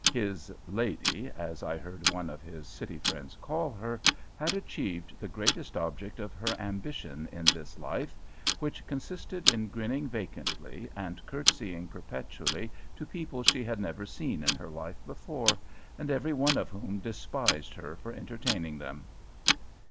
His "lady," as I heard one of his City friends call her, had achieved the greatest object of her ambition in this life, which consisted in grinning vacantly, and curtsying perpetually to people she had never seen in her life before, and every one of whom despised her for entertaining them.